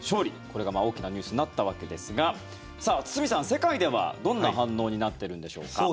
これが大きなニュースになったわけですが堤さん、世界ではどんな反応になっているんでしょうか。